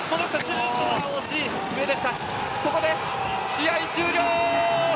ここで試合終了！